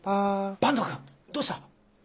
坂東くん！どうした？